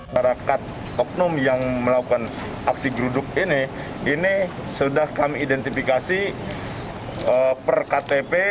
masyarakat oknum yang melakukan aksi geruduk ini ini sudah kami identifikasi per ktp